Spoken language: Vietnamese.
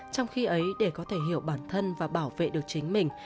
trong khi ấy để có thể hiểu bản thân và bảo vệ được chính mình